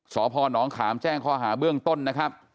สพนขามแจ้งข้อหาเบื้องต้นนะครับ